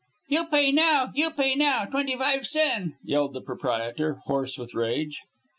"You pay now! You pay now! Twenty five sen!" yelled the proprietor, hoarse with rage.